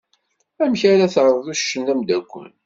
Amek ara terreḍ uccen d amdakel?